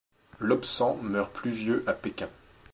Lobsang meurt plus vieux à Pékin.